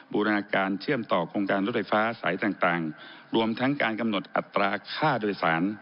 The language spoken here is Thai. บูรณาการเชื่อมต่อโครงการรถไฟฟ้าสายต่างรวมทั้งการกำหนดอัตราค่าโดยสาร